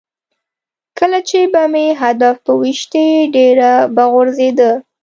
کله چې به مې هدف په ویشتی ډېره به غورځېده.